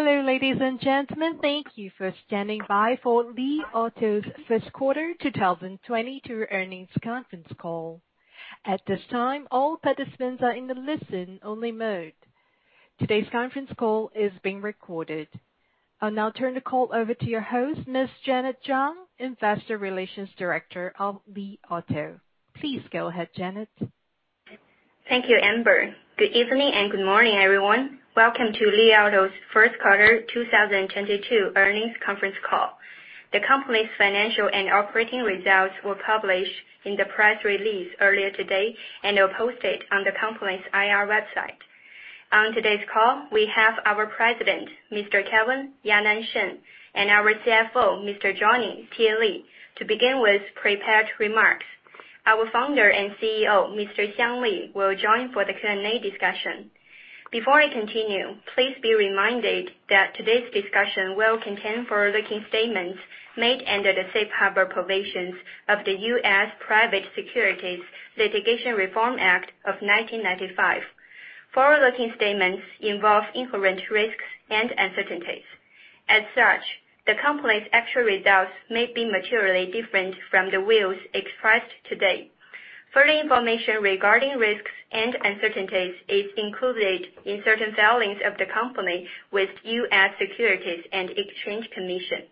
Hello, ladies and gentlemen. Thank you for standing by for Li Auto's first quarter 2022 earnings conference call. At this time, all participants are in the listen-only mode. Today's conference call is being recorded. I'll now turn the call over to your host, Ms. Janet Zhang, Investor Relations Director of Li Auto. Please go ahead, Janet. Thank you, Amber. Good evening, and good morning, everyone. Welcome to Li Auto's first quarter 2022 earnings conference call. The company's financial and operating results were published in the press release earlier today, and are posted on the company's IR website. On today's call, we have our President, Mr. Kevin Yanan Shen, and our CFO, Mr. Johnny Tie Li, to begin with prepared remarks. Our Founder and CEO, Mr. Xiang Li, will join for the Q&A discussion. Before we continue, please be reminded that today's discussion will contain forward-looking statements made under the safe harbor provisions of the U.S. Private Securities Litigation Reform Act of 1995. Forward-looking statements involve inherent risks and uncertainties. As such, the company's actual results may be materially different from the views expressed today. Further information regarding risks and uncertainties is included in certain filings of the company with U.S. Securities and Exchange Commission.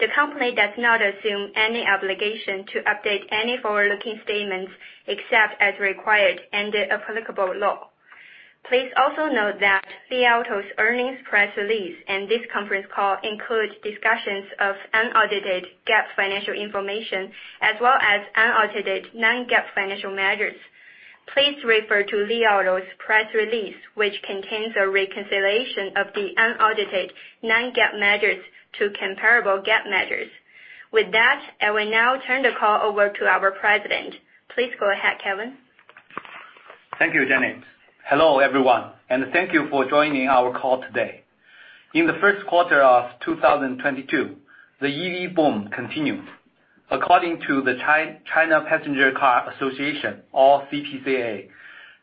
The company does not assume any obligation to update any forward-looking statements except as required under applicable law. Please also note that Li Auto's earnings press release and this conference call include discussions of unaudited GAAP financial information as well as unaudited non-GAAP financial measures. Please refer to Li Auto's press release, which contains a reconciliation of the unaudited non-GAAP measures to comparable GAAP measures. With that, I will now turn the call over to our President. Please go ahead, Kevin. Thank you, Janet. Hello, everyone, and thank you for joining our call today. In the first quarter of 2022, the EV boom continued. According to the China Passenger Car Association, or CPCA,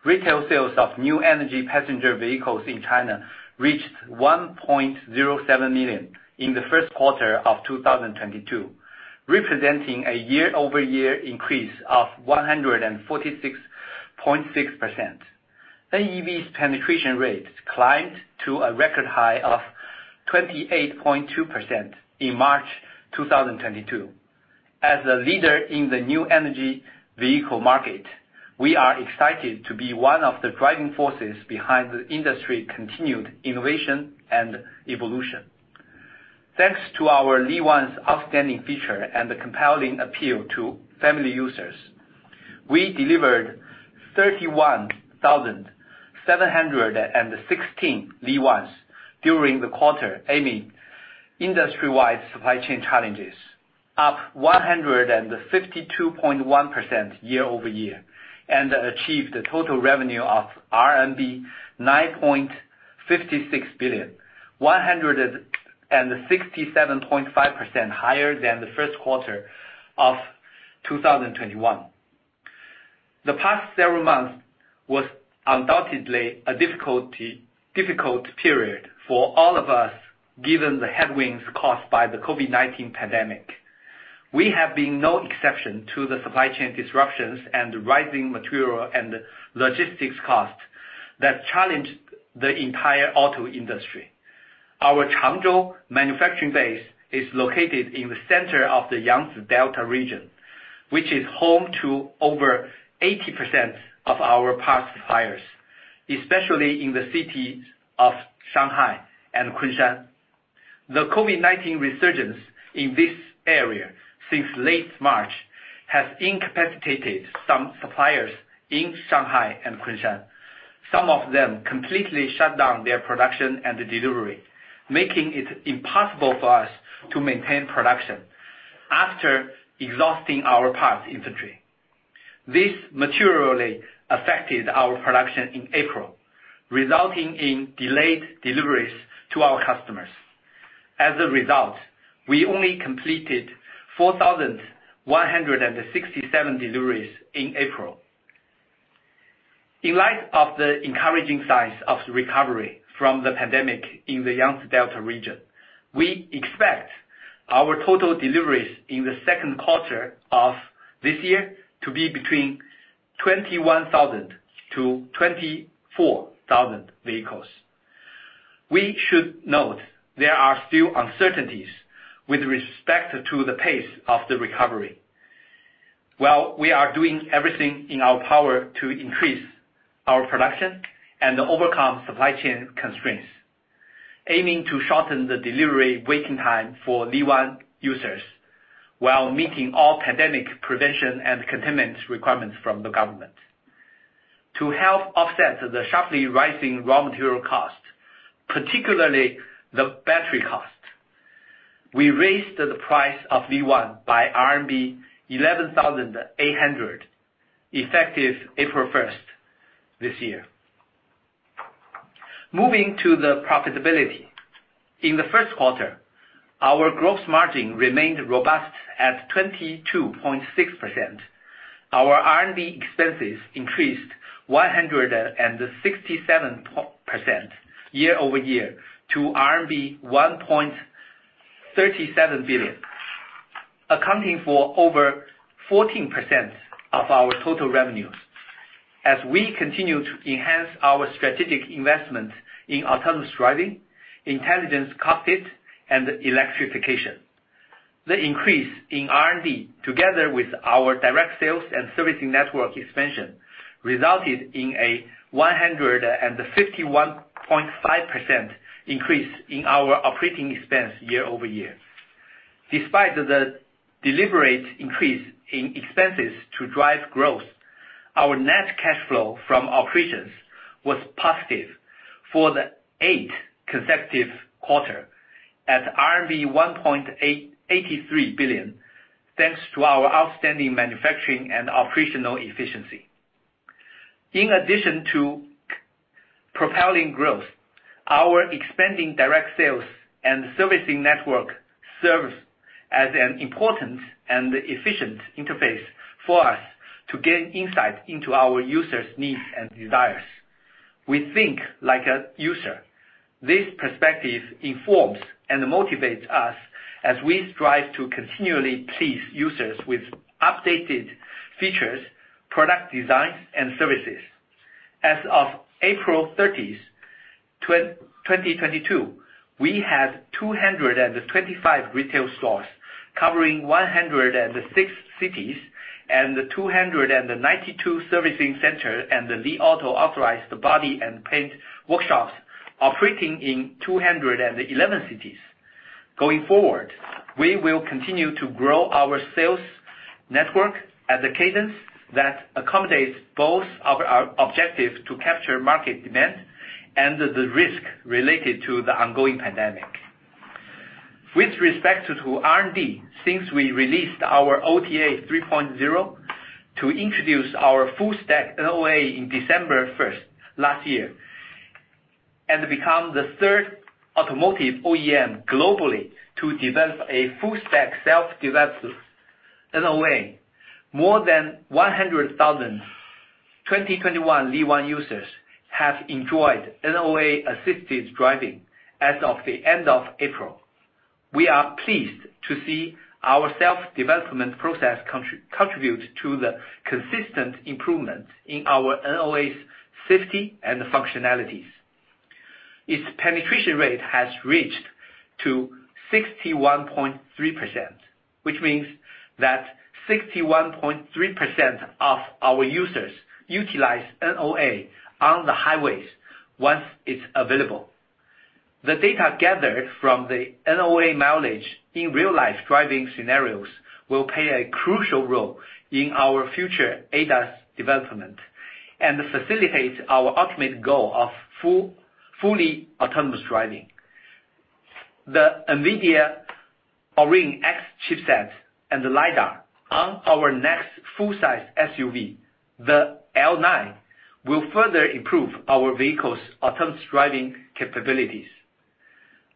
retail sales of new energy passenger vehicles in China reached 1.07 million in the first quarter of 2022, representing a year-over-year increase of 146.6%. NEV's penetration rate climbed to a record high of 28.2% in March 2022. As a leader in the new energy vehicle market, we are excited to be one of the driving forces behind the industry continued innovation and evolution. Thanks to our Li ONE's outstanding feature and the compelling appeal to family users, we delivered 31,716 Li ONEs during the quarter, amid industry-wide supply chain challenges, up 152.1% year-over-year, and achieved a total revenue of RMB 9.56 billion, 167.5% higher than the first quarter of 2021. The past several months was undoubtedly a difficult period for all of us, given the headwinds caused by the COVID-19 pandemic. We have been no exception to the supply chain disruptions and rising material and logistics costs that challenged the entire auto industry. Our Changzhou manufacturing base is located in the center of the Yangtze Delta region, which is home to over 80% of our parts suppliers, especially in the city of Shanghai and Kunshan. The COVID-19 resurgence in this area since late March has incapacitated some suppliers in Shanghai and Kunshan. Some of them completely shut down their production and delivery, making it impossible for us to maintain production after exhausting our parts inventory. This materially affected our production in April, resulting in delayed deliveries to our customers. As a result, we only completed 4,167 deliveries in April. In light of the encouraging signs of recovery from the pandemic in the Yangtze Delta region, we expect our total deliveries in the second quarter of this year to be between 21,000-24,000 vehicles. We should note there are still uncertainties with respect to the pace of the recovery. While we are doing everything in our power to increase our production and overcome supply chain constraints, aiming to shorten the delivery waiting time for Li ONE users while meeting all pandemic prevention and containment requirements from the government. To help offset the sharply rising raw material costs, particularly the battery cost, we raised the price of Li ONE by RMB 11,800, effective April 1st this year. Moving to profitability. In the first quarter, our gross margin remained robust at 22.6%. Our R&D expenses increased 167% year-over-year to RMB 1.37 billion, accounting for over 14% of our total revenues. As we continue to enhance our strategic investment in autonomous driving, intelligent cockpit, and electrification. The increase in R&D, together with our direct sales and servicing network expansion, resulted in a 151.5% increase in our operating expense year-over-year. Despite the deliberate increase in expenses to drive growth, our net cash flow from operations was positive for the eighth consecutive quarter at RMB 1.83 billion, thanks to our outstanding manufacturing and operational efficiency. In addition to propelling growth, our expanding direct sales and servicing network serves as an important and efficient interface for us to gain insight into our users' needs and desires. We think like a user. This perspective informs and motivates us as we strive to continually please users with updated features, product designs, and services. As of April 30, 2022, we had 225 retail stores covering 106 cities and 292 servicing centers, and the Li Auto authorized body and paint workshops operating in 211 cities. Going forward, we will continue to grow our sales network at the cadence that accommodates both our objective to capture market demand and the risk related to the ongoing pandemic. With respect to R&D, since we released our OTA 3.0 to introduce our full-stack NOA in December 1st last year, and become the third automotive OEM globally to develop a full-stack self-developed NOA. More than 100,000 2021 Li ONE users have enjoyed NOA-assisted driving as of the end of April. We are pleased to see our self-development process contribute to the consistent improvement in our NOA's safety and functionalities. Its penetration rate has reached 61.3%, which means that 61.3% of our users utilize NOA on the highways once it's available. The data gathered from the NOA mileage in real-life driving scenarios will play a crucial role in our future ADAS development and facilitate our ultimate goal of full, fully autonomous driving. The NVIDIA Orin X chipset and the LiDAR on our next full-size SUV, the L9, will further improve our vehicle's autonomous driving capabilities.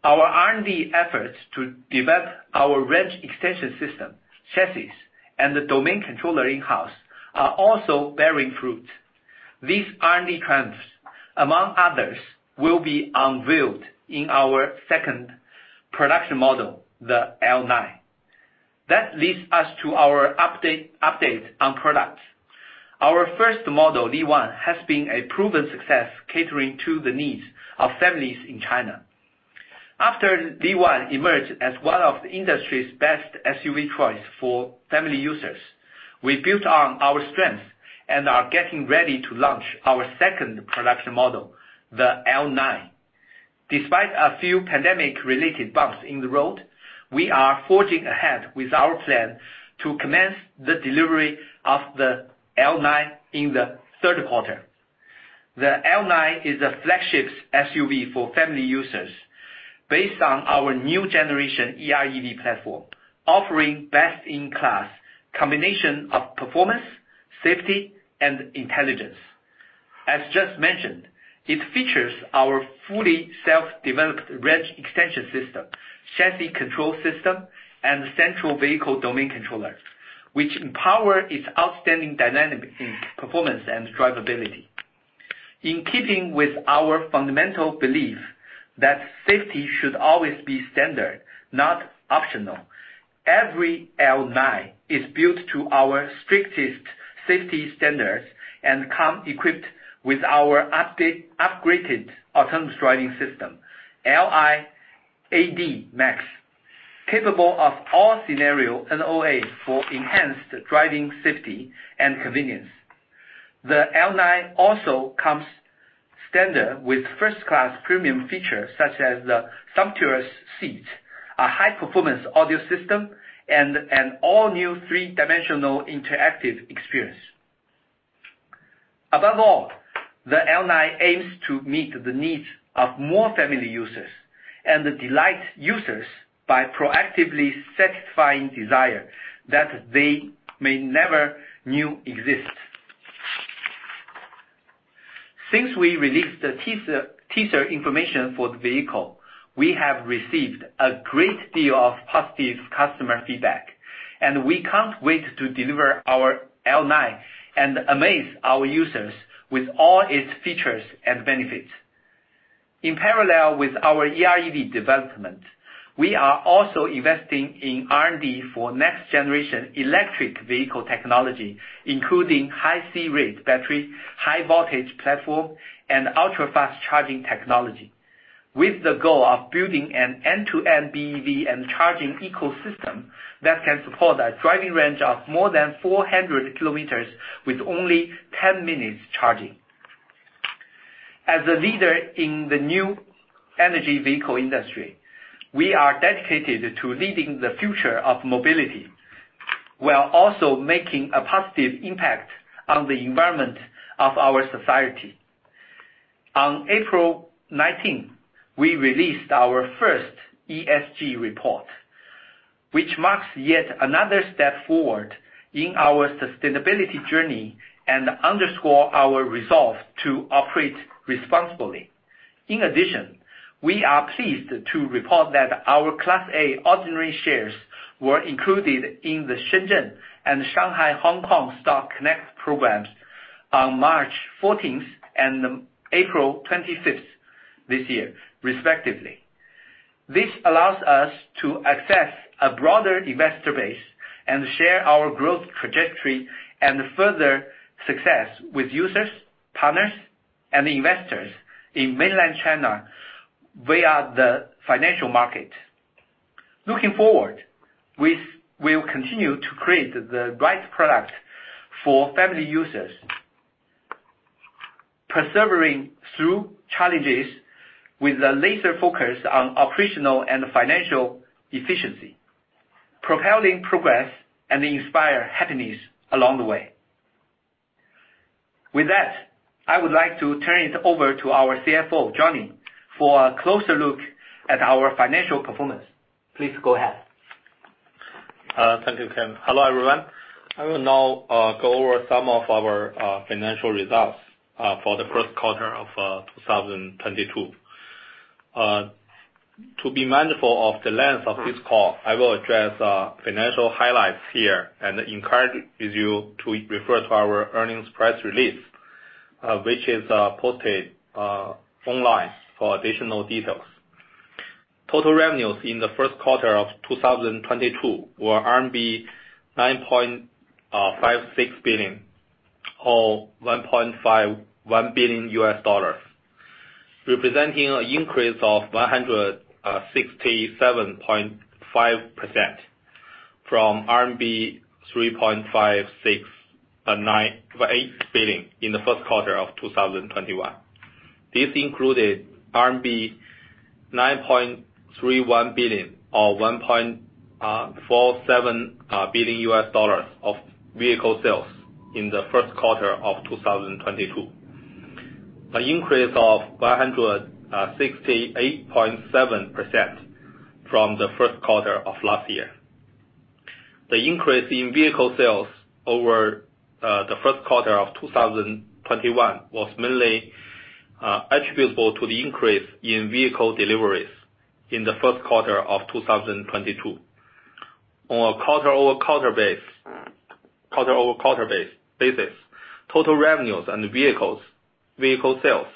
Our R&D efforts to develop our range extension system, chassis, and the domain controller in-house are also bearing fruit. These R&D triumphs, among others, will be unveiled in our second production model, the L9. That leads us to our update on product. Our first model, Li ONE, has been a proven success catering to the needs of families in China. After Li ONE emerged as one of the industry's best SUV choice for family users, we built on our strength and are getting ready to launch our second production model, the L9. Despite a few pandemic-related bumps in the road, we are forging ahead with our plan to commence the delivery of the L9 in the third quarter. The L9 is a flagship SUV for family users based on our new generation EREV platform, offering best-in-class combination of performance, safety, and intelligence. As just mentioned, it features our fully self-developed range extension system, chassis control system, and central vehicle domain controller, which empower its outstanding dynamic in performance and drivability In keeping with our fundamental belief that safety should always be standard, not optional, every L9 is built to our strictest safety standards and comes equipped with our upgraded autonomous driving system, Li AD Max, capable of all-scenario NOA for enhanced driving safety and convenience. The L9 also comes standard with first-class premium features such as the sumptuous seats, a high-performance audio system, and an all-new three-dimensional interactive experience. Above all, the L9 aims to meet the needs of more family users and delight users by proactively satisfying desire that they may never knew exist. Since we released the teaser information for the vehicle, we have received a great deal of positive customer feedback, and we can't wait to deliver our L9 and amaze our users with all its features and benefits. In parallel with our EREV development, we are also investing in R&D for next generation electric vehicle technology, including high C-rate battery, high voltage platform, and ultra-fast charging technology. With the goal of building an end-to-end BEV and charging ecosystem that can support a driving range of more than 400 km with only 10 minutes charging. As a leader in the new energy vehicle industry, we are dedicated to leading the future of mobility, while also making a positive impact on the environment of our society. On April 19th, we released our first ESG report, which marks yet another step forward in our sustainability journey and underscore our resolve to operate responsibly. In addition, we are pleased to report that our Class A ordinary shares were included in the Shenzhen and Shanghai-Hong Kong Stock Connect programs on March 14th and April 25th this year, respectively. This allows us to access a broader investor base and share our growth trajectory and further success with users, partners, and investors in mainland China via the financial market. Looking forward, we will continue to create the right product for family users, persevering through challenges with a laser focus on operational and financial efficiency, propelling progress and inspire happiness along the way. With that, I would like to turn it over to our CFO, Johnny, for a closer look at our financial performance. Please go ahead. Thank you, Kevin. Hello, everyone. I will now go over some of our financial results for the first quarter of 2022. To be mindful of the length of this call, I will address financial highlights here and encourage you to refer to our earnings press release, which is posted online for additional details. Total revenues in the first quarter of 2022 were RMB 9.56 billion or $1.51 billion, representing an increase of 167.5% from RMB 3.5698 billion in the first quarter of 2021. This included RMB 9.31 billion or $1.47 billion of vehicle sales in the first quarter of 2022. An increase of 168.7% from the first quarter of last year. The increase in vehicle sales over the first quarter of 2021 was mainly attributable to the increase in vehicle deliveries in the first quarter of 2022. On a quarter-over-quarter basis, total revenues and vehicle sales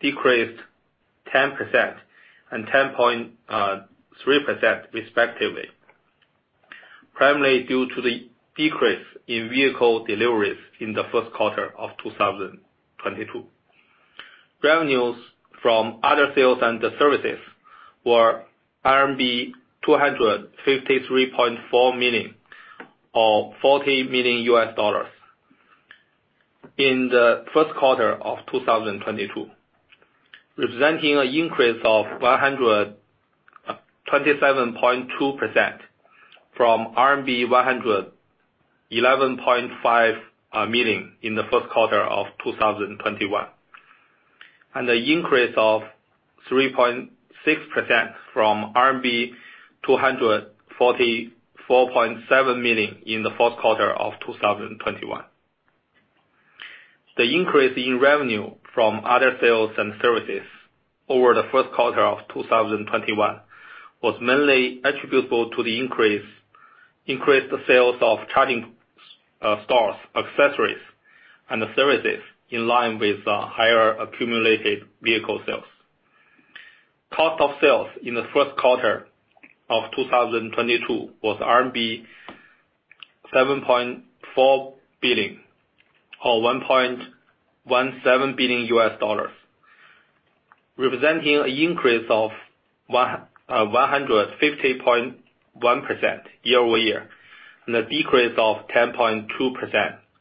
decreased 10% and 10.3% respectively, primarily due to the decrease in vehicle deliveries in the first quarter of 2022. Revenues from other sales and services were RMB 253.4 million, or $40 million in the first quarter of 2022, representing an increase of 127.2% from RMB 111.5 million in the first quarter of 2021, and an increase of 3.6% from RMB 244.7 million in the fourth quarter of 2021. The increase in revenue from other sales and services over the first quarter of 2021 was mainly attributable to increased sales of charging stalls, accessories, and services in line with higher accumulated vehicle sales. Cost of sales in the first quarter of 2022 was RMB 7.4 billion or $1.17 billion, representing an increase of 150.1% year-over-year, and a decrease of 10.2%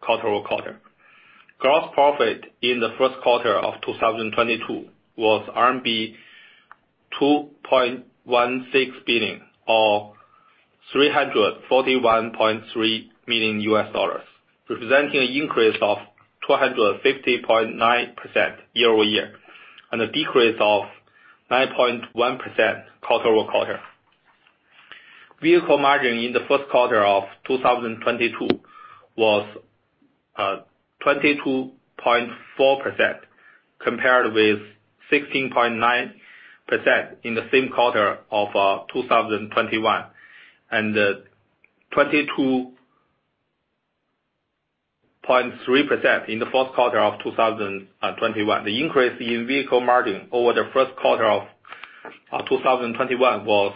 quarter-over-quarter. Gross profit in the first quarter of 2022 was RMB 2.16 billion, or $341.3 million, representing an increase of 250.9% year-over-year, and a decrease of 9.1% quarter-over-quarter. Vehicle margin in the first quarter of 2022 was 22.4% compared with 16.9% in the same quarter of 2021, and 22.3% in the fourth quarter of 2021. The increase in vehicle margin over the first quarter of 2021 was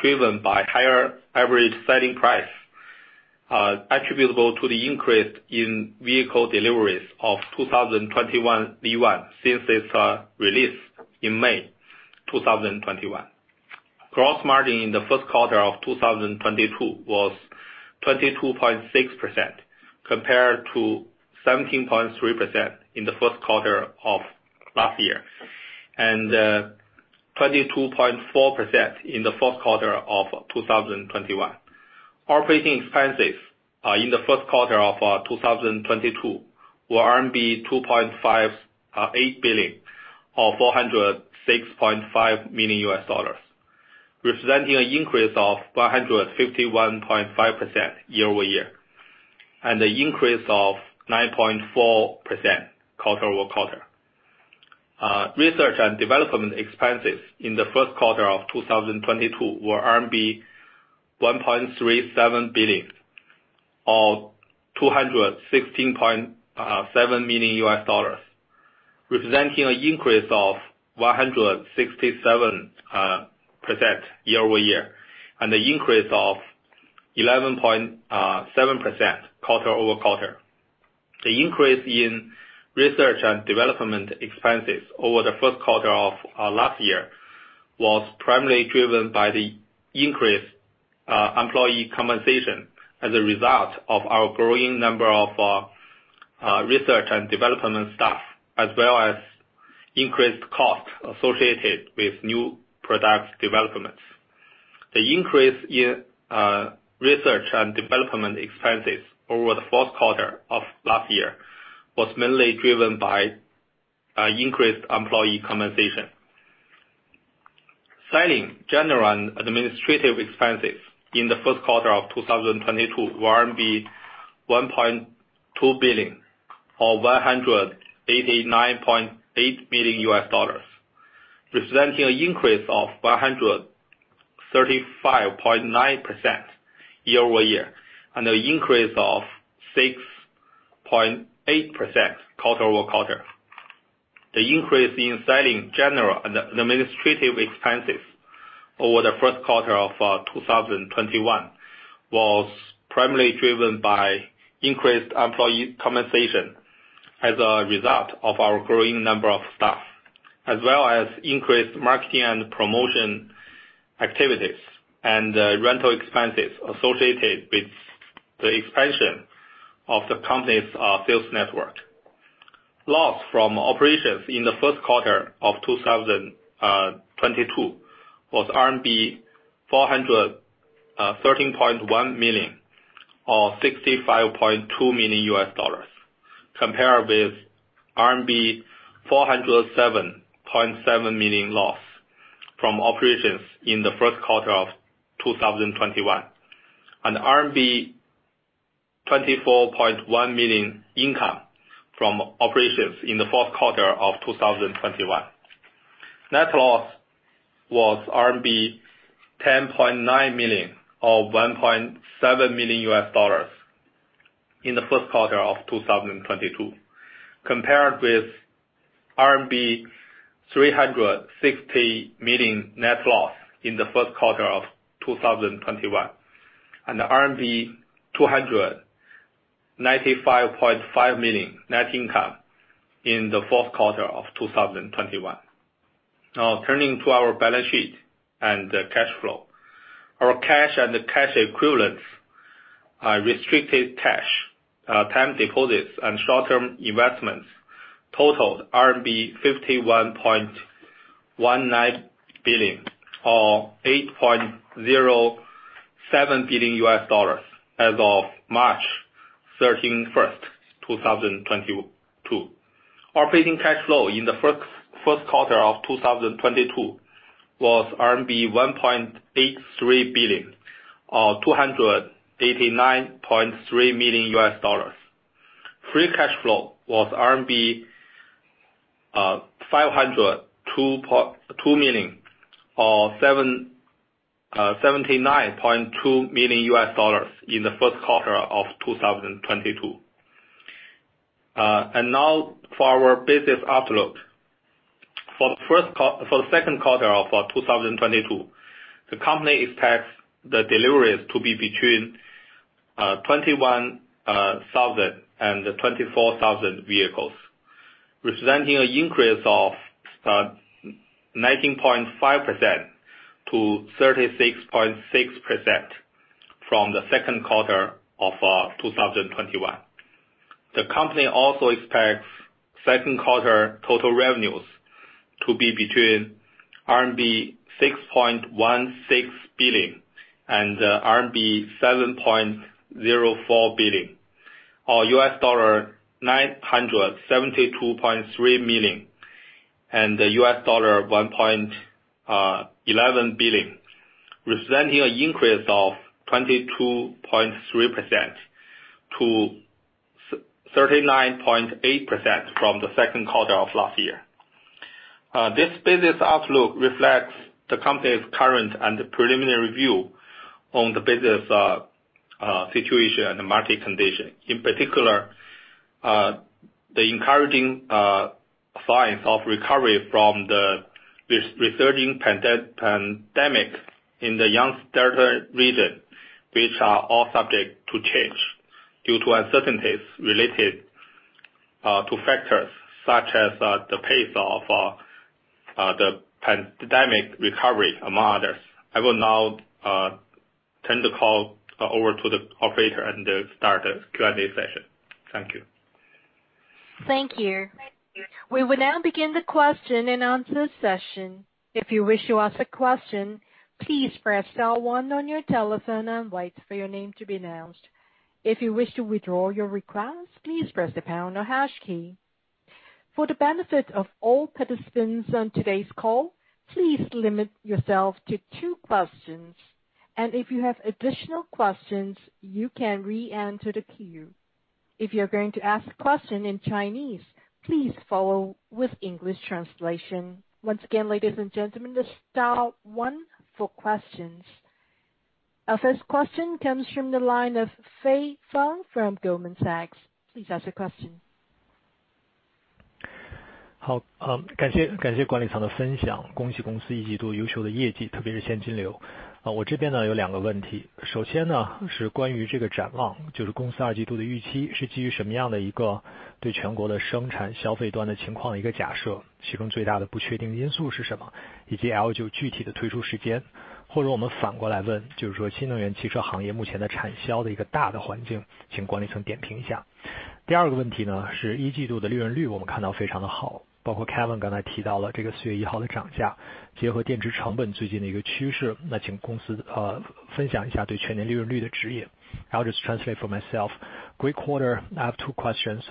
driven by higher average selling price attributable to the increase in vehicle deliveries of 2021 Li ONE, since its release in May 2021. Gross margin in the first quarter of 2022 was 22.6% compared to 17.3% in the first quarter of last year, and 22.4% in the fourth quarter of 2021. Operating expenses in the first quarter of 2022 were 2.58 billion, or $406.5 million, representing an increase of 151.5% year-over-year, and an increase of 9.4% quarter-over-quarter. Research and development expenses in the first quarter of 2022 were 1.37 billion, or $216.7 million, representing an increase of 167% year-over-year, and an increase of 11.7% quarter-over-quarter. The increase in research and development expenses over the first quarter of last year was primarily driven by the increased employee compensation as a result of our growing number of research and development staff, as well as increased costs associated with new product developments. The increase in research and development expenses over the fourth quarter of last year was mainly driven by increased employee compensation. Selling, general, and administrative expenses in the first quarter of 2022 were 1.2 billion, or $189.8 million, representing an increase of 135.9% year-over-year, and an increase of 6.8% quarter-over-quarter. The increase in selling, general, and administrative expenses over the first quarter of 2021 was primarily driven by increased employee compensation as a result of our growing number of staff, as well as increased marketing and promotion activities, and rental expenses associated with the expansion of the company's sales network. Loss from operations in the first quarter of 2022 was RMB 413.1 million, or $65.2 million, compared with RMB 407.7 million loss from operations in the first quarter of 2021, and RMB 24.1 million income from operations in the fourth quarter of 2021. Net loss was RMB 10.9 million, or $1.7 million in the first quarter of 2022, compared with RMB 360 million net loss in the first quarter of 2021, and RMB 295.5 million net income in the fourth quarter of 2021. Now turning to our balance sheet and cash flow. Our cash and cash equivalents are restricted cash, term deposits, and short-term investments totaled RMB 51.19 billion, or $8.07 billion as of March 31st, 2022. Operating cash flow in the first quarter of 2022 was RMB 1.83 billion, or $289.3 million. Free cash flow was RMB 502.2 million, or $79.2 million in the first quarter of 2022. Now for our business outlook. For the second quarter of 2022, the company expects the deliveries to be between 21,000 and 24,000 vehicles, representing an increase of 19.5% to 36.6% from the second quarter of 2021. The company also expects second quarter total revenues to be between RMB 6.16 billion and RMB 7.04 billion, or $972.3 million and $1.11 billion, representing an increase of 22.3%-39.8% from the second quarter of last year. This business outlook reflects the company's current and the preliminary view on the business situation and market condition. In particular, the encouraging signs of recovery from the resurging pandemic in the Yangtze Delta region, which are all subject to change due to uncertainties related to factors such as the pace of the pandemic recovery, among others. I will now turn the call over to the operator and start the Q&A session. Thank you. Thank you. We will now begin the question-and-answer session. If you wish to ask a question, please press star one on your telephone and wait for your name to be announced. If you wish to withdraw your request, please press the pound or hash key. For the benefit of all participants on today's call, please limit yourself to two questions, and if you have additional questions, you can re-enter the queue. If you're going to ask a question in Chinese, please follow with English translation. Once again, ladies and gentlemen, star one for questions. Our first question comes from the line of Fei Fang from Goldman Sachs. Please ask your question. I'll just translate for myself. Great quarter. I have two questions.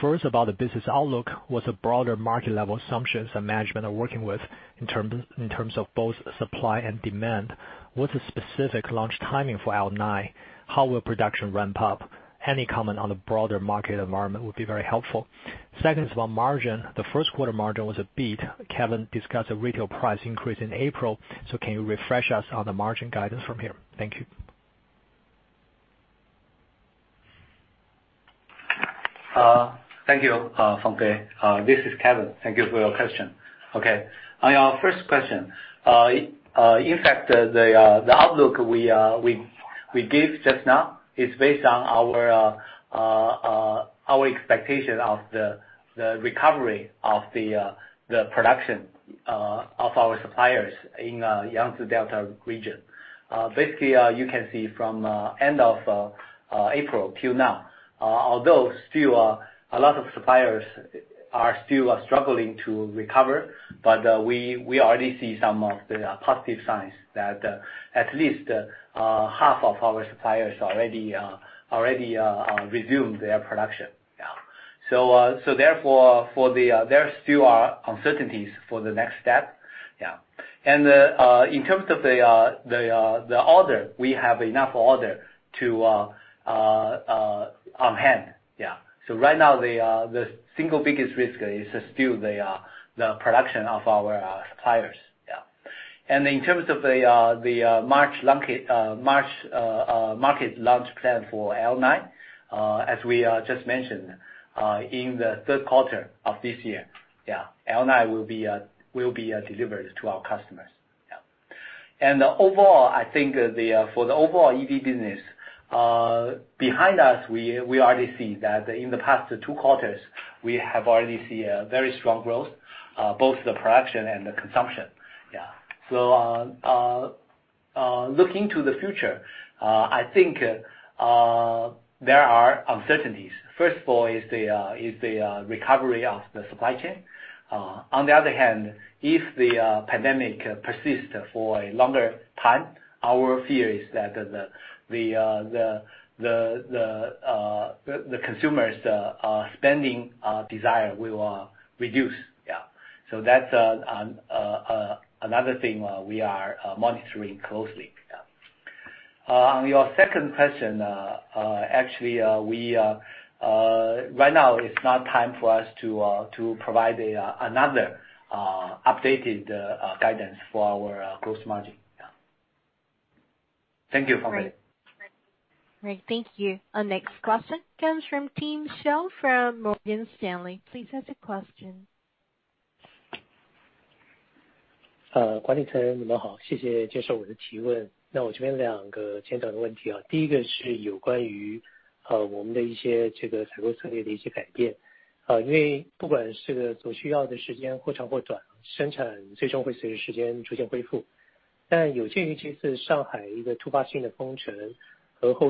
First, about the business outlook. What's the broader market level assumptions that management are working with in terms of both supply and demand? What's the specific launch timing for L9? How will production ramp up? Any comment on the broader market environment would be very helpful. Second is about margin. The first quarter margin was a beat. Kevin discussed a retail price increase in April. Can you refresh us on the margin guidance from here? Thank you Thank you, Fei Fang. This is Kevin. Thank you for your question. Okay. On your first question, in fact, the outlook we gave just now is based on our expectation of the recovery of the production of our suppliers in Yangtze Delta region. Basically, you can see from end of April till now, although still a lot of suppliers are still struggling to recover. We already see some of the positive signs that at least half of our suppliers already resumed their production. Yeah. Therefore, there still are uncertainties for the next step. Yeah. In terms of the order, we have enough order on hand. Yeah. Right now the single biggest risk is still the production of our suppliers. In terms of the March market launch plan for L9, as we just mentioned, in the third quarter of this year, yeah, L9 will be delivered to our customers. Overall, I think for the overall EV business behind us, we already see that in the past two quarters we have already seen a very strong growth, both the production and the consumption. Looking to the future, I think there are uncertainties. First of all is the recovery of the supply chain. On the other hand, if the pandemic persists for a longer time, our fear is that the consumers spending desire will reduce. That's another thing we are monitoring closely. On your second question, actually, right now is not time for us to provide another updated guidance for our gross margin. Thank you, Fei Fang. Great. Thank you. Our next question comes from Tim Hsiao from Morgan Stanley. Please ask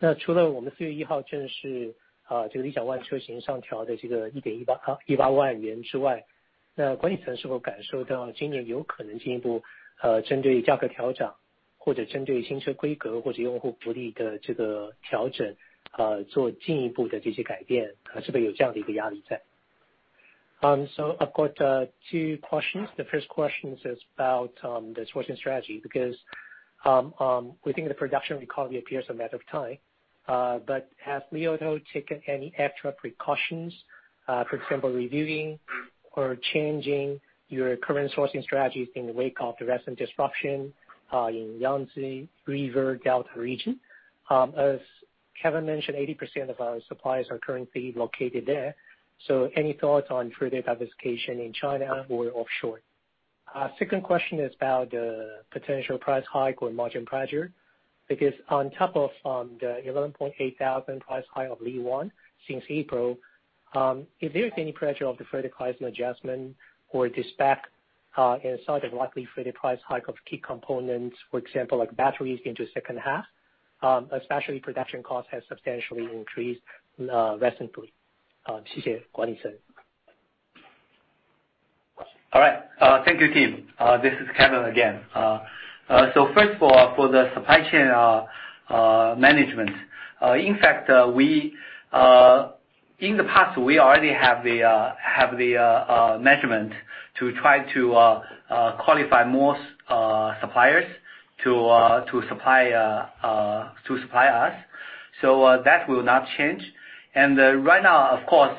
the question. That third question is about the sourcing strategy, because we think the production recovery appears a matter of time. But has Li Auto taken any extra precautions, for example, reviewing or changing your current sourcing strategies in the wake of the recent disruption in Yangtze River Delta region? As Kevin mentioned, 80% of our suppliers are currently located there. So any thoughts on further diversification in China or offshore? Second question is about the potential price hike or margin pressure, because on top of the 11,800 price hike of Li ONE since April, is there any pressure of the further price adjustment or the spec in light of likely further price hike of key components, for example, like batteries into second half, especially production cost has substantially increased recently. All right. Thank you, Tim. This is Kevin again. First of all, for the supply chain management, in fact, in the past we already have the measures to try to qualify more suppliers to supply us. That will not change. Right now, of course,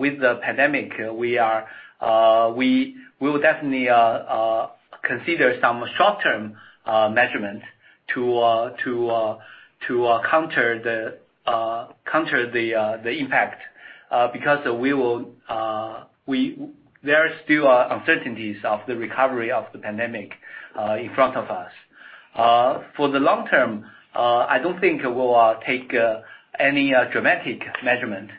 with the pandemic, we will definitely consider some short-term measures to counter the impact, because there are still uncertainties of the recovery of the pandemic in front of us. For the long term, I don't think we'll take any dramatic measures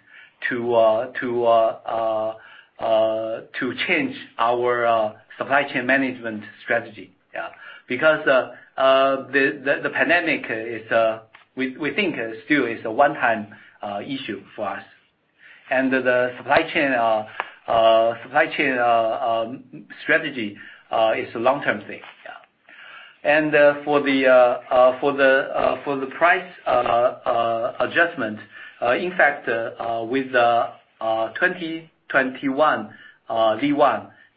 to change our supply chain management strategy. Because the pandemic, we think, is still a one-time issue for us. The supply chain strategy is a long-term thing. For the price adjustment, in fact, with the 2021 Li ONE,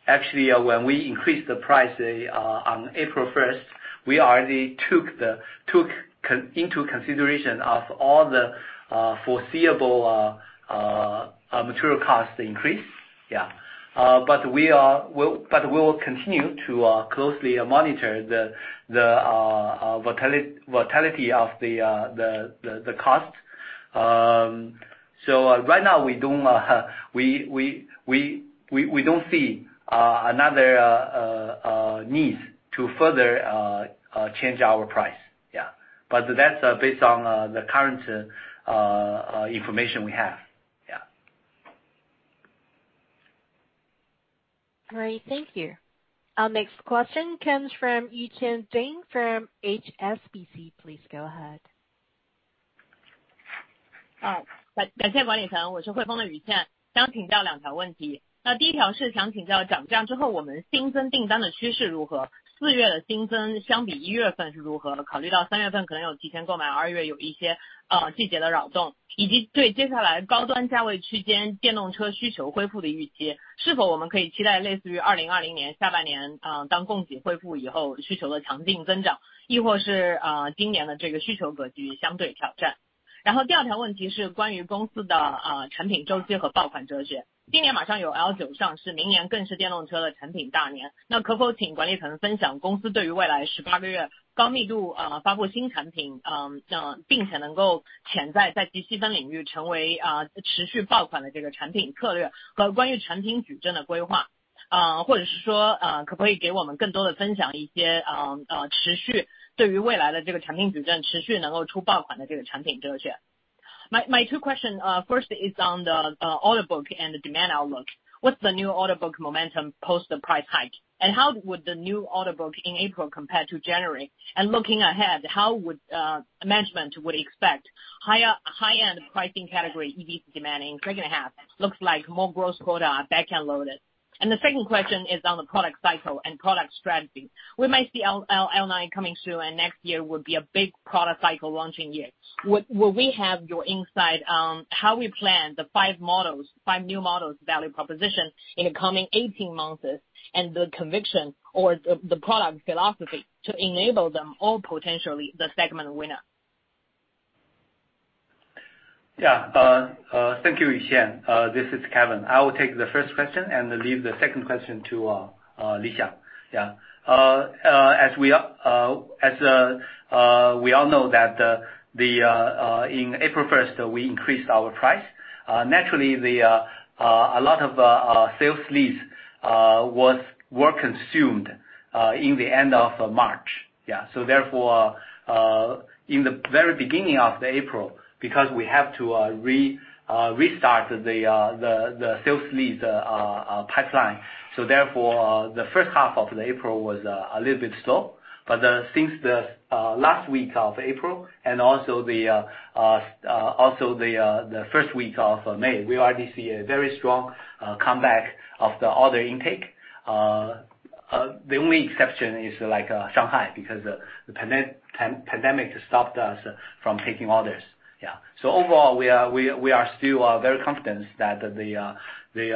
actually when we increased the price on April 1st, we already took into consideration all the foreseeable material cost increase. We will continue to closely monitor the volatility of the costs. Right now we don't see another need to further change our price. Yeah. That's based on the current information we have. Yeah. All right. Thank you. Our next question comes from Yuqian Ding from HSBC. Please go ahead. My two questions, first is on the order book and the demand outlook. What's the new order book momentum post the price hike? And how would the new order book in April compare to January? And looking ahead, how would management expect higher high-end pricing category EV demand in second half looks like more gross quota back-end loaded. And the second question is on the product cycle and product strategy. We might see L9 coming soon, and next year will be a big product cycle launching year. Would we have your insight on how we plan the five new models value proposition in the coming 18 months and the conviction or the product philosophy to enable them all potentially the segment winner? Thank you, Yuqian. This is Kevin Yanan Shen. I will take the first question and leave the second question to Li Xiang. As we all know that in April 1st, we increased our price. Naturally a lot of sales leads were consumed in the end of March. Therefore, in the very beginning of April, because we have to restart the sales leads pipeline, the first half of April was a little bit slow. Then since the last week of April and also the first week of May, we already see a very strong comeback of the order intake. The only exception is like Shanghai, because the pandemic stopped us from taking orders. Yeah. Overall, we are still very confident that our Li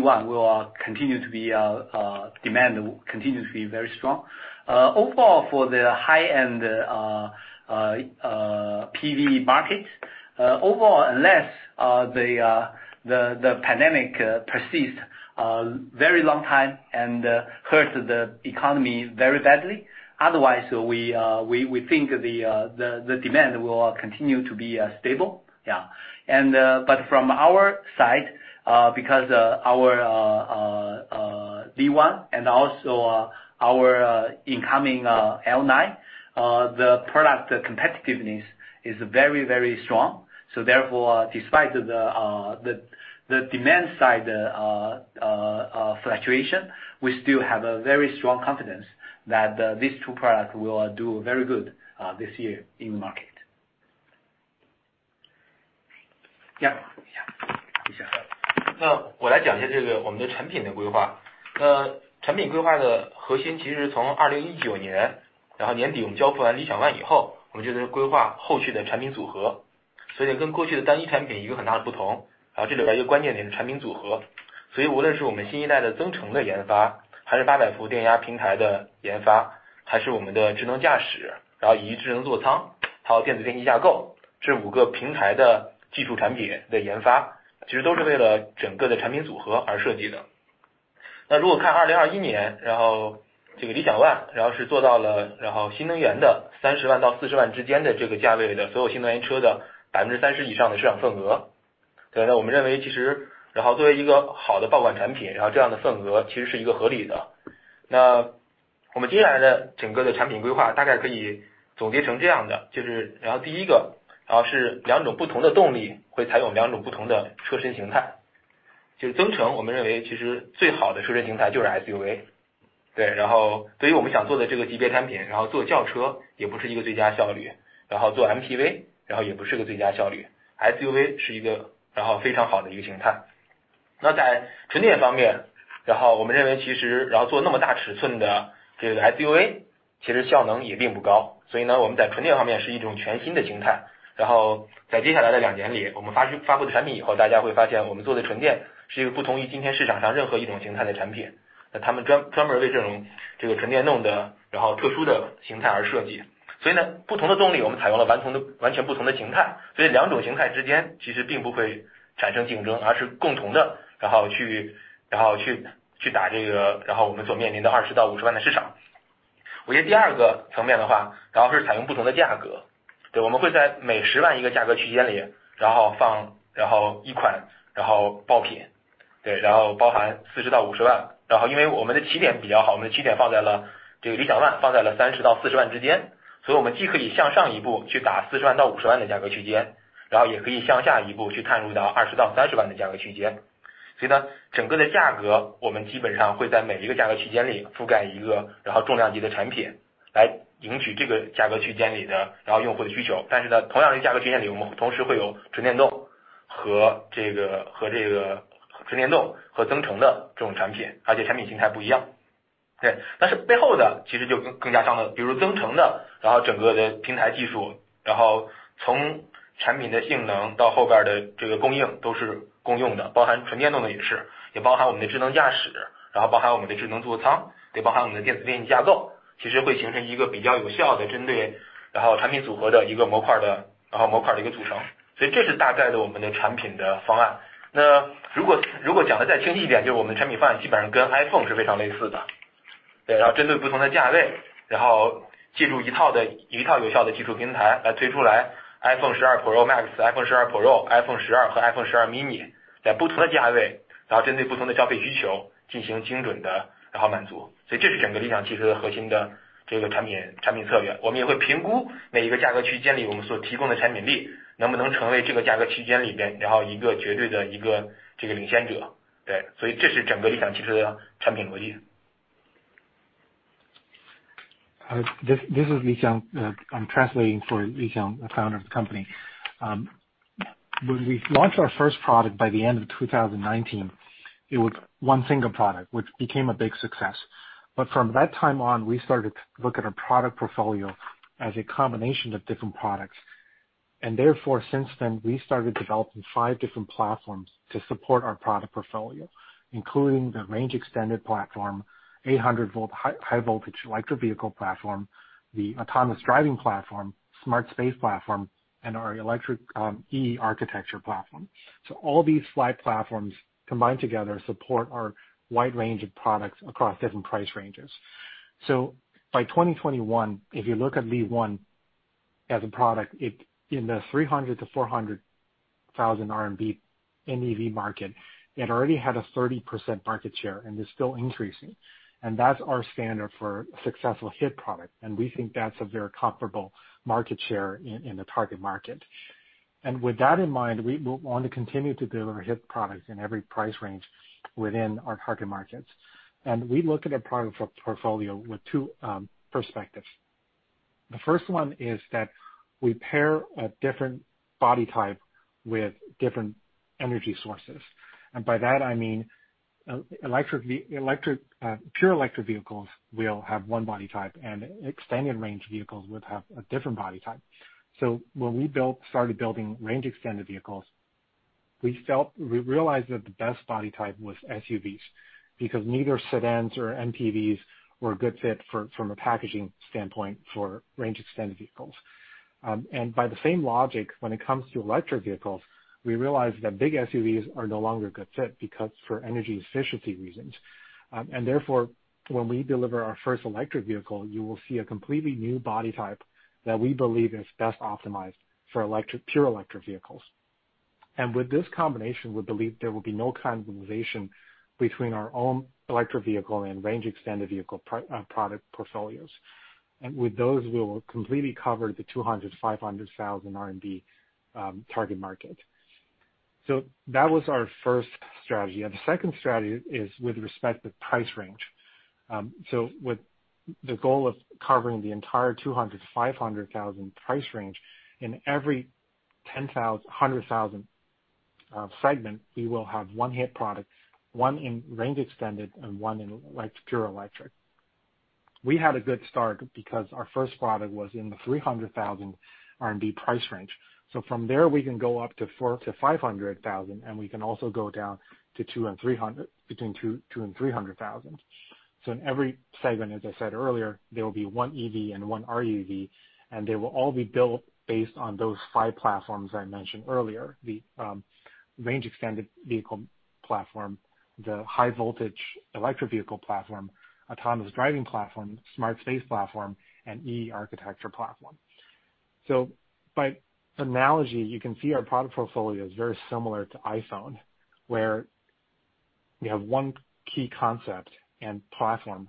ONE demand continues to be very strong. Overall for the high-end PV market. Overall unless the pandemic persists a very long time and hurts the economy very badly. Otherwise, we think the demand will continue to be stable. Yeah. But from our side, because our Li ONE and also our incoming L9, the product competitiveness is very, very strong. Therefore, despite the demand side fluctuation, we still have a very strong confidence that these two products will do very good this year in the market. Yeah, yeah. Li Xiang. This is Li Xiang. I'm translating for Li Xiang, the founder of the company. When we launched our first product by the end of 2019, it was one single product which became a big success. From that time on, we started to look at our product portfolio as a combination of different products. Since then, we started developing five different platforms to support our product portfolio, including the range extended platform, 800-volt high voltage electric vehicle platform, the autonomous driving platform, smart space platform, and our electric E-architecture platform. All these five platforms combined together support our wide range of products across different price ranges. By 2021, if you look at Li ONE As a product, it in the 300,000-400,000 RMB EV market already had a 30% market share and it's still increasing. That's our standard for a successful hit product, and we think that's a very comparable market share in the target market. With that in mind, we will want to continue to deliver hit products in every price range within our target markets. We look at a product portfolio with two perspectives. The first one is that we pair a different body type with different energy sources. By that, I mean, pure electric vehicles will have one body type, and extended range vehicles would have a different body type. When we built, started building range extended vehicles, we realized that the best body type was SUVs because neither sedans or MPVs were a good fit for, from a packaging standpoint for range extended vehicles. By the same logic, when it comes to electric vehicles, we realized that big SUVs are no longer a good fit because for energy efficiency reasons. Therefore, when we deliver our first electric vehicle, you will see a completely new body type that we believe is best optimized for electric pure electric vehicles. With this combination, we believe there will be no cannibalization between our own electric vehicle and range extended vehicle product portfolios. With those, we will completely cover the 200,000-500,000 thousand RMB target market. That was our first strategy. The second strategy is with respect to price range. With the goal of covering the entire 200,000-500,000 price range in every 10,000, 100,000 segment, we will have one hit product, one in range extended and one in pure electric. We had a good start because our first product was in the 300,000 RMB price range. From there, we can go up to 400,000-500,000, and we can also go down to 200,000 and 300,000, between 200,000 and 300,000. In every segment, as I said earlier, there will be one EV and one REV, and they will all be built based on those five platforms I mentioned earlier, the range extended vehicle platform, the high voltage electric vehicle platform, autonomous driving platform, smart space platform, and E-architecture platform. By analogy, you can see our product portfolio is very similar to iPhone, where we have one key concept and platform,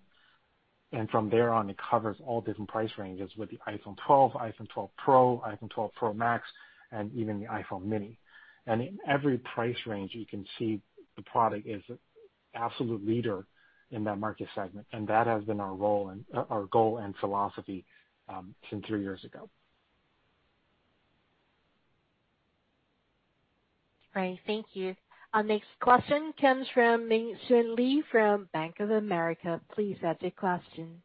and from there on, it covers all different price ranges with the iPhone 12, iPhone 12 Pro, iPhone 12 Pro Max, and even the iPhone 12 mini. In every price range, you can see the product is absolute leader in that market segment, and that has been our role and our goal and philosophy since three years ago. Great. Thank you. Our next question comes from Ming Hsun Lee from Bank of America. Please ask your question.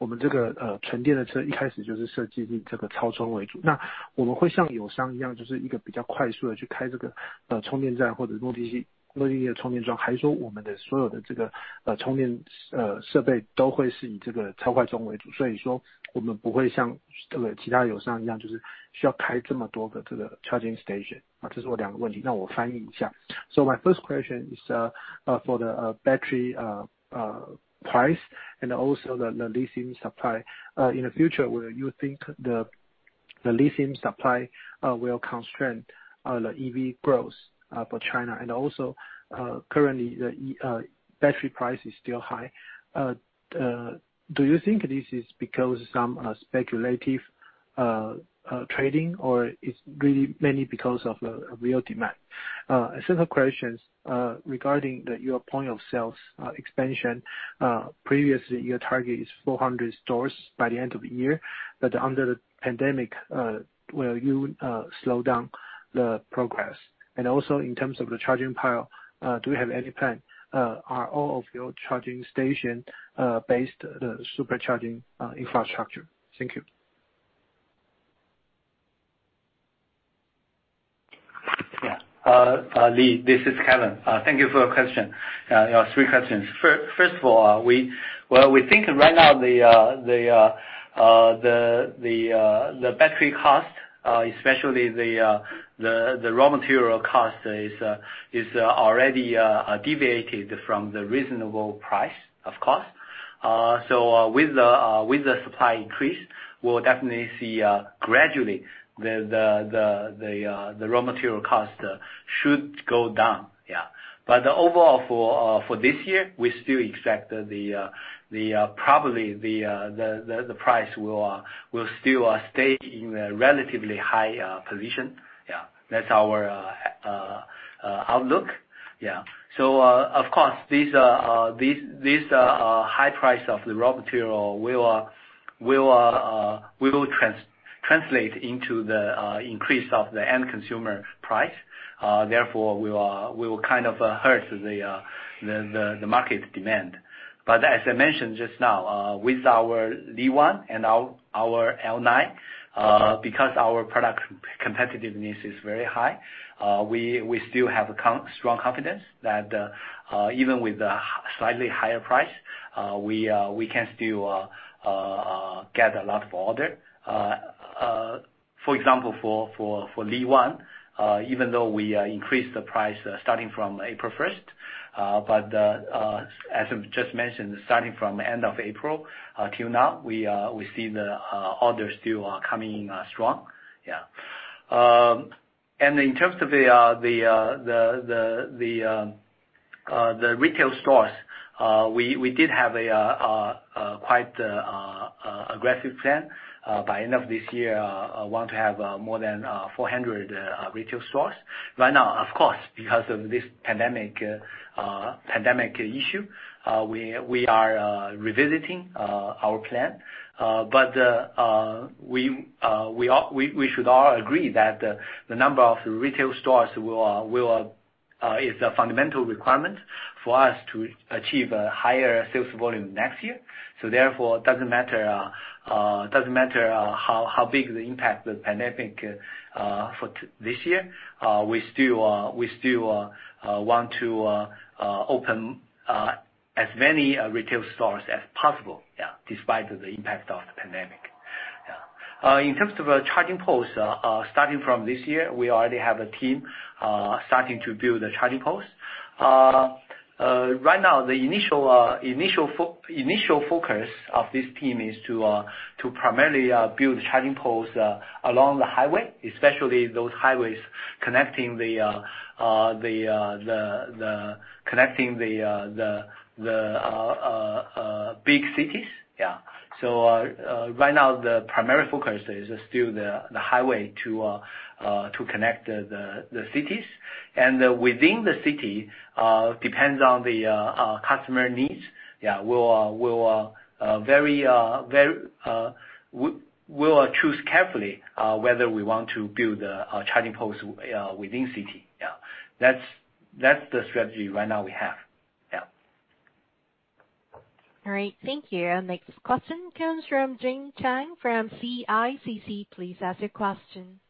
My first question is for the battery price and also the lithium supply. In the future, will you think the lithium supply will constrain the EV growth for China? Currently the battery price is still high. Do you think this is because some speculative trading or it's really mainly because of a real demand? Second question is regarding your points of sale expansion. Previously your target is 400 stores by the end of the year, but under the pandemic, will you slow down the progress? Also in terms of the charging pile, do you have any plan? Are all of your charging stations based on the supercharging infrastructure? Thank you. Lee, this is Kevin. Thank you for your question. Your three questions. First of all, well, we think right now the battery cost, especially the raw material cost is already deviated from the reasonable price, of course. So with the supply increase, we'll definitely see gradually the raw material cost should go down. But overall for this year, we still expect that probably the price will still stay in a relatively high position. That's our outlook. Of course, these are high price of the raw material will translate into the increase of the end consumer price. Therefore we will kind of hurt the market demand. As I mentioned just now, with our Li One and our L9, because our product competitiveness is very high, we still have strong confidence that even with the slightly higher price, we can still get a lot of order. For example, for Li ONE, even though we increased the price starting from April 1st, but as I've just mentioned, starting from end of April till now, we see the orders still are coming in strong. In terms of the retail stores, we did have a quite aggressive plan by end of this year want to have more than 400 retail stores. Right now, of course, because of this pandemic issue, we are revisiting our plan. We should all agree that the number of retail stores is a fundamental requirement for us to achieve a higher sales volume next year. Therefore it doesn't matter how big the impact of the pandemic for this year, we still want to open as many retail stores as possible, yeah, despite the impact of the pandemic. Yeah. In terms of our charging posts, starting from this year, we already have a team starting to build the charging posts. Right now, the initial focus of this team is to primarily build charging posts along the highway, especially those highways connecting the big cities. Yeah. Right now the primary focus is still the highway to connect the cities. Within the city, it depends on the customer needs. Yeah, we'll choose carefully whether we want to build charging posts within the city. Yeah. That's the strategy right now we have. Yeah. All right. Thank you. Next question comes from Jing Chang from CICC. Please ask your question.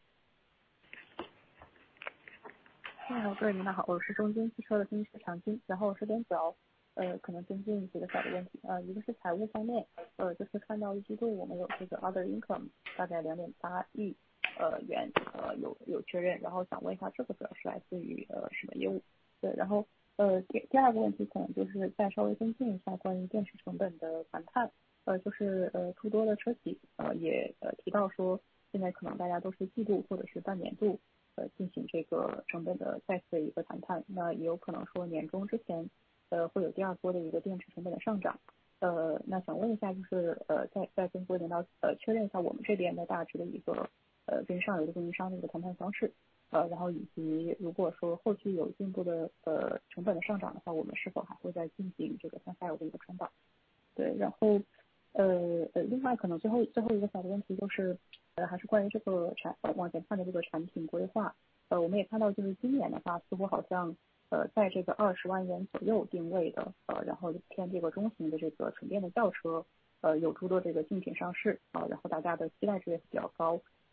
Hello.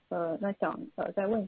Semiannually.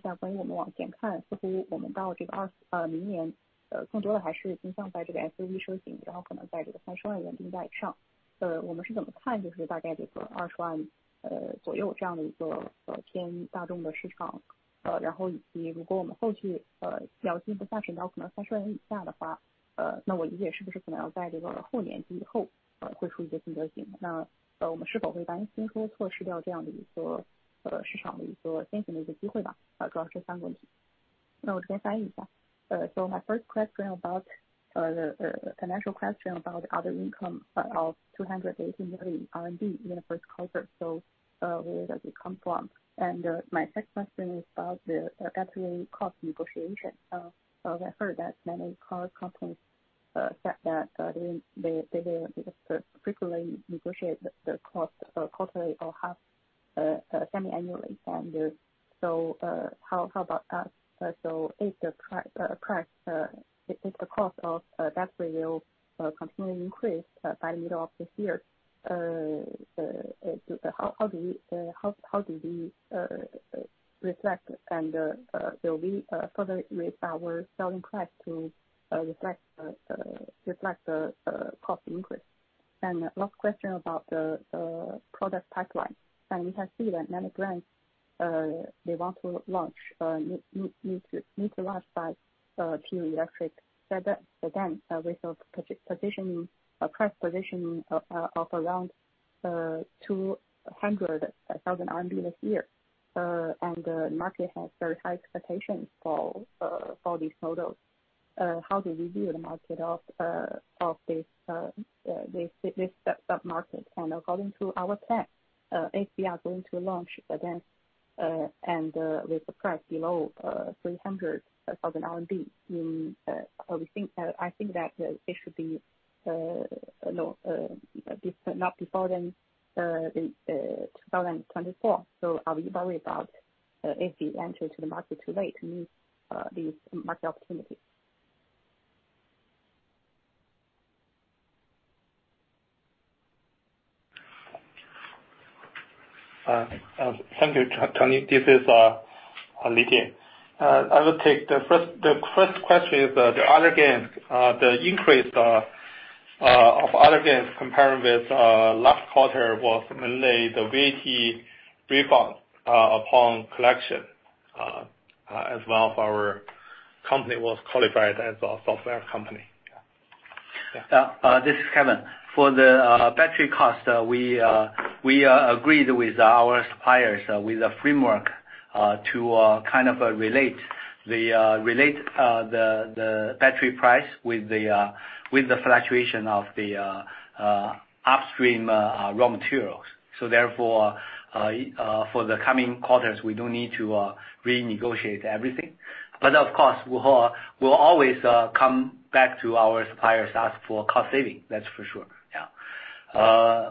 How about so if the cost of battery will continue to increase by the middle of this year, how do we reflect and there'll be a further raise in our selling price to reflect the cost increase? Last question about the product pipeline. We can see that many brands they want to launch new to last five pure electric. Then with a price position of around 200,000 RMB this year. The market has very high expectations for these models. How do we view the market of this submarket? According to our plan, if we are going to launch again and with the price below 300,000 RMB, I think that it should not be before 2024. Are we worried about if we enter the market too late to meet these market opportunities? Thank you, Jing Chang. This is Tie Li. I will take the first question is the other gains. The increase of other gains comparing with last quarter was mainly the VAT refund upon collection, as well our company was qualified as a software company. Yeah. This is Kevin. For the battery cost, we agreed with our suppliers with a framework to kind of relate the battery price with the fluctuation of the upstream raw materials. Therefore, for the coming quarters, we don't need to renegotiate everything. Of course, we'll always come back to our suppliers, ask for cost saving, that's for sure. Yeah.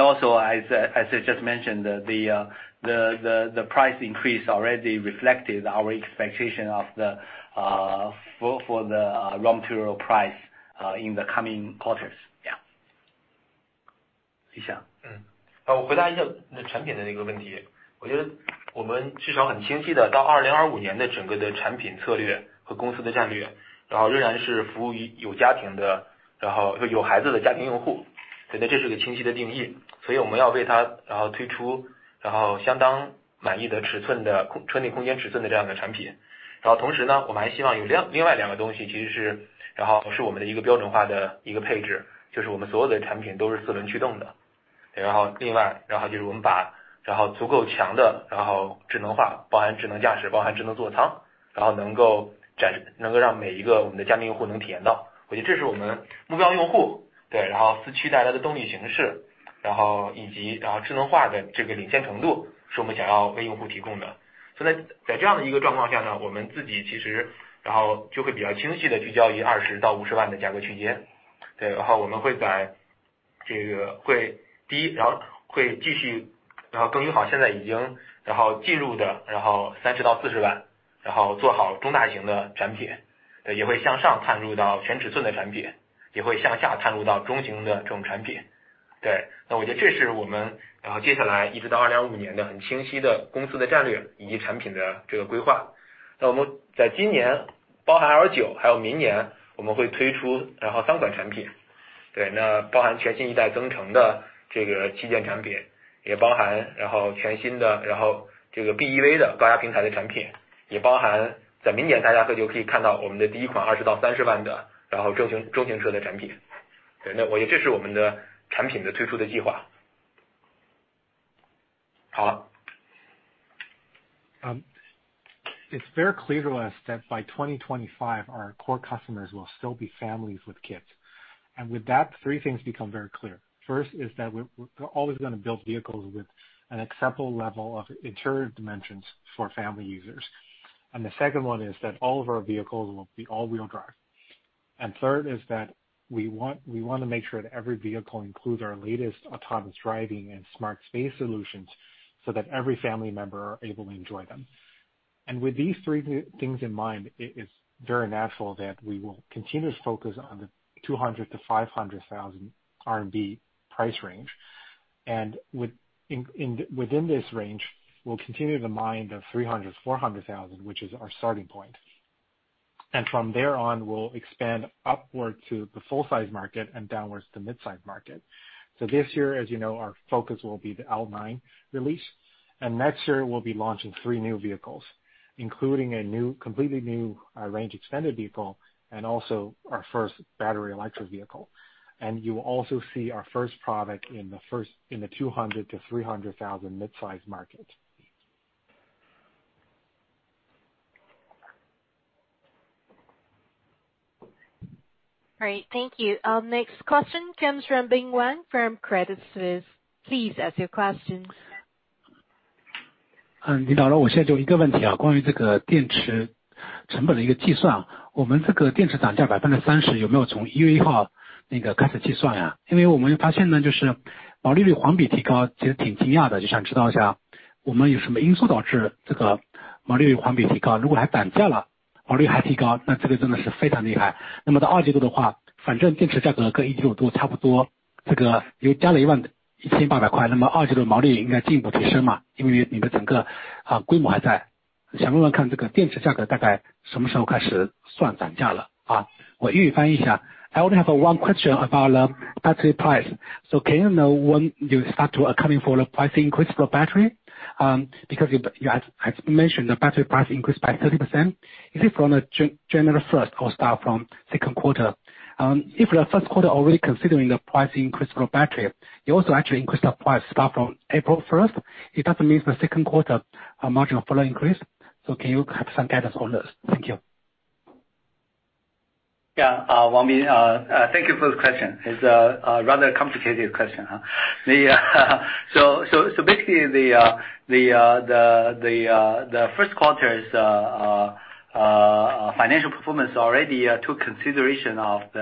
Also as I just mentioned, the price increase already reflected our expectation of the raw material price in the coming quarters. Yeah. Li Xiang. Um, It's very clear to us that by 2025 our core customers will still be families with kids. With that, three things become very clear. First is that we're always gonna build vehicles with an acceptable level of interior dimensions for family users. The second one is that all of our vehicles will be all-wheel drive. Third is that we wanna make sure that every vehicle includes our latest autonomous driving and smart space solutions, so that every family member are able to enjoy them. With these three things in mind, it is very natural that we will continue to focus on the 200,000-500,000 RMB price range. Within this range, we'll continue the mid of 300,000-400,000, which is our starting point. From there on, we'll expand upward to the full-size market and downwards to the midsize market. This year, as you know, our focus will be the L9 release. Next year we'll be launching three new vehicles, including a new, completely new, range extended vehicle, and also our first battery electric vehicle. You will also see our first product in the first, in the 200,000-300,000 midsize market. Great. Thank you. Our next question comes from Bin Wang from Credit Suisse. Please ask your questions. 领导呢，我现在就一个问题，关于这个电池成本的一个计算，我们这个电池涨价30%，有没有从1月1号那个开始计算呀？因为我们发现呢，就是毛利率环比提高，其实挺惊讶的，就想知道一下，我们有什么因素导致这个毛利率环比提高，如果还涨价了，毛利还提高，那这个真的是非常厉害。那么到二季度的话，反正电池价格跟一季度差不多，这个又加了¥11,800，那么二季度毛利应该进一步提升嘛，因为你的整个规模还在，想问问看这个电池价格大概什么时候开始算涨价了？我英语翻译一下。I only have one question about the battery price. Do you know when you start to account for the price increase for battery? Because you have mentioned the battery price increased by 30%. Is it from January first or start from second quarter? If the first quarter already considering the price increase for battery, you also actually increase the price start from April 1st. It doesn't mean the second quarter will have marginal follow-on increase. Do you have some guidance on this? Thank you. Yeah. Let me thank you for the question. It's a rather complicated question. So basically the first quarter's financial performance already took into consideration, of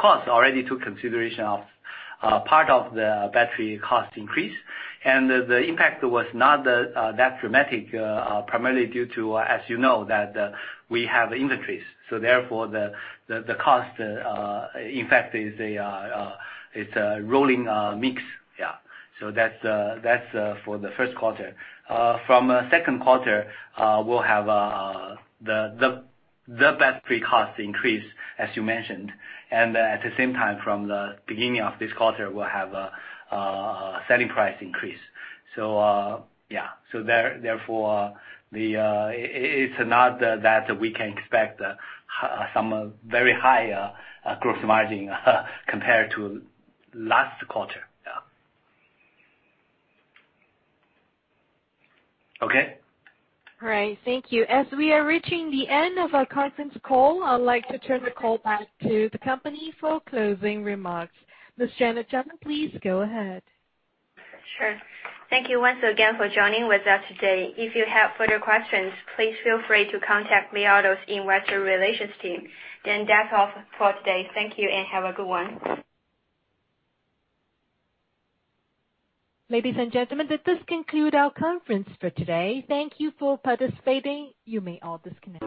course, part of the battery cost increase. The impact was not that dramatic, primarily due to, as you know, we have inventories, so therefore the cost, in fact, is a rolling mix, yeah. That's for the first quarter. From second quarter, we'll have the battery cost increase, as you mentioned, and at the same time, from the beginning of this quarter, we'll have a selling price increase. Yeah. Therefore, it's not that we can expect some very high growth margin compared to last quarter. Yeah. Okay. All right. Thank you. As we are reaching the end of our conference call, I'd like to turn the call back to the company for closing remarks. Miss Janet Zhang, please go ahead. Sure. Thank you once again for joining with us today. If you have further questions, please feel free to contact Li Auto's investor relations team. That's all for today. Thank you and have a good one. Ladies and gentlemen, let this conclude our conference for today. Thank you for participating. You may all disconnect.